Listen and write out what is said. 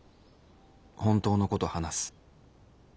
本当のことを話す。